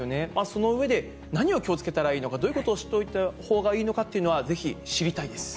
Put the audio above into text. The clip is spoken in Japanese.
その上で、何を気をつけたらいいのか、どういうことを知っておいた方がいいのかっていうのは、ぜひ知りたいです。